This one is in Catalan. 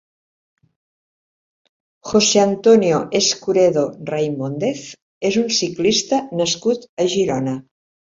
José Antonio Escuredo Raimóndez és un ciclista nascut a Girona.